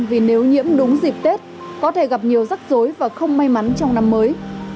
vì nếu nhiễm đúng dịp tết có thể gặp nhiều rắc rối và không may mắn trong năm mới